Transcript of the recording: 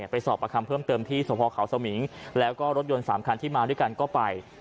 ไปสอบประคำเพิ่มเติมที่สมพเขาสมิงแล้วก็รถยนต์๓คันที่มาด้วยกันก็ไป